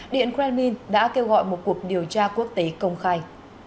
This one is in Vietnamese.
điện kremlin đã kêu gọi một cuộc điều tra quốc tế công khai